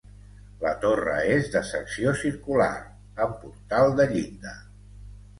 La torre és de secció circular, amb portal de llinda.